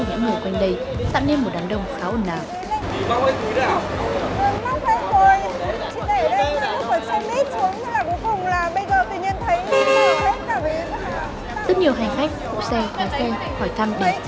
nó lấy nó vét không còn một đồng xu nào thì bây giờ về làm sao được